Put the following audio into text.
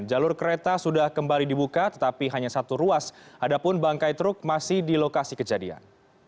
jalur kereta sudah kembali dibuka tetapi hanya satu ruas adapun bangkai truk masih di lokasi kejadian